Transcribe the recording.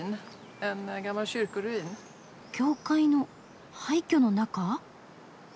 教会の廃虚の中？